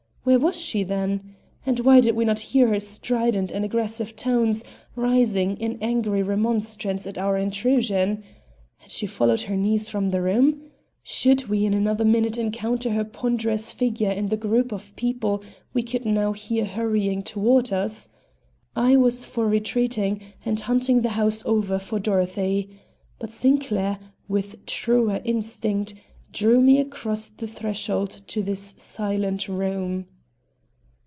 Where was she, then? and why did we not hear her strident and aggressive tones rising in angry remonstrance at our intrusion? Had she followed her niece from the room? Should we in another minute encounter her ponderous figure in the group of people we could now hear hurrying toward us? I was for retreating and hunting the house over for Dorothy. But Sinclair, with truer instinct, drew me across the threshold of this silent room.